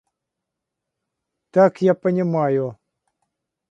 Так я понимаю.